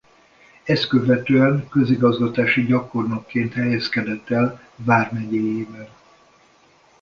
Ezt követően közigazgatási gyakornokként helyezkedett el vármegyéjében.